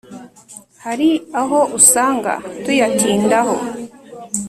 Hari aho usanga tuyatindaho,